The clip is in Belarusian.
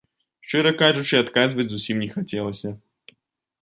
Шчыра кажучы, адказваць зусім не хацелася.